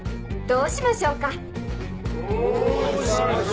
どうしましょうか？